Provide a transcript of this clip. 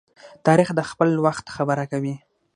تاریخ د خپل وخت خبره کوي.